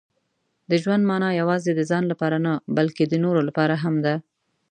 • د ژوند مانا یوازې د ځان لپاره نه، بلکې د نورو لپاره هم ده.